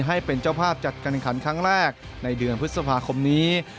ให้เป็นเจ้าภาพจัดการขันครั้งแรกในเดือนพฤษภาคมนี้